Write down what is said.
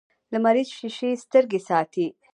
لمریزې شیشې سترګې ساتي